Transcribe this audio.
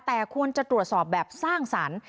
แต่ควรจะตรวจสอบแบบสร้างสรรค์